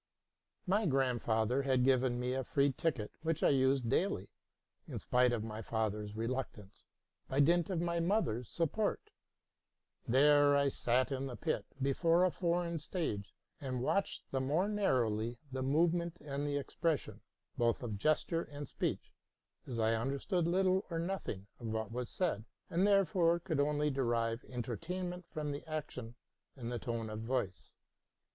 My grandfather had given me a free ticket, which I used daily, in spite of my father's reluctance, by dint of my mother's support. There I sat in the pit, before a for eign stage, and watched the more narrowly the movement and the expression, both of gesture and speech; as I under stood little or nothing of what was said, and therefore could only derive entertainment from the action and the tone of voice.